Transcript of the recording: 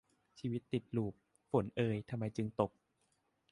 ชีวิตติดลูป ฝนเอยทำไมจึงตก